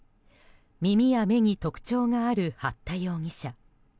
耳や目に特徴がある八田容疑者。